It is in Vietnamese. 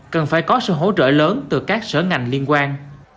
cần phải có sự hỗ trợ lớn từ các sở ngành liên quan